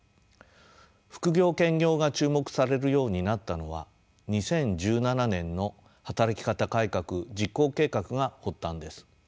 副業・兼業が注目されるようになったのは２０１７年の働き方改革実行計画が発端です。